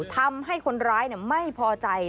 ทำให้คนร้ายไม่พอใจ